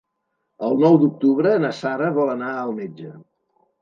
El nou d'octubre na Sara vol anar al metge.